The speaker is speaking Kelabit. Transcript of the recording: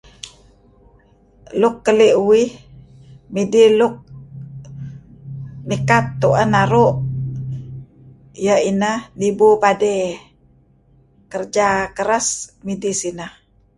Luk keli' uih midih luk mikat tuen naru' iyeh ineh nibu padey. Kerja keres midih sineh.